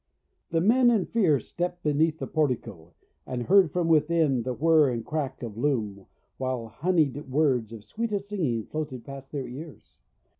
The men, in fear, stepped beneath the portico, and heard from within the whir and clack of loom, while honeyed words of sweetest singing floated past their ears.